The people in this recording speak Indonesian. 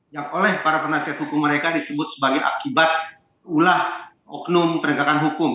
yang oleh para penasihat hukum mereka disebut sebagai akibat ulah oknum penegakan hukum